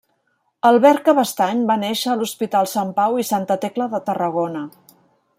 Albert Cabestany va néixer a l'Hospital Sant Pau i Santa Tecla de Tarragona.